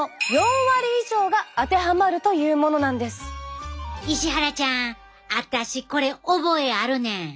しかも石原ちゃんあたしこれ覚えあるねん。